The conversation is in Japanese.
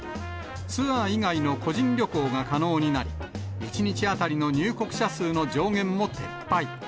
ツアー以外の個人旅行が可能になり、１日当たりの入国者数の上限も撤廃。